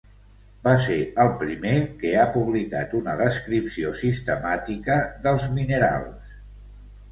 Ver ser el primer que ha publicat una descripció sistemàtica dels minerals.